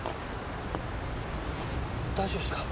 大丈夫ですか？